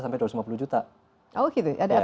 sampai dua ratus lima puluh juta kalau gitu ya